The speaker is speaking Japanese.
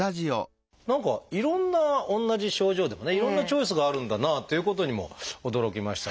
何かいろんな同じ症状でもねいろんなチョイスがあるんだなということにも驚きましたし。